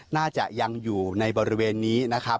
น่าจะยังอยู่ในบริเวณนี้นะครับ